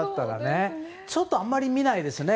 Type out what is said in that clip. ちょっとあまり見ないですね。